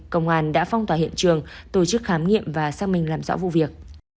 công an đã phong tỏa hiện trường tổ chức khám nghiệm và xác minh làm rõ vụ việc